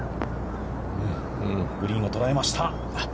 グリーンを捉えました。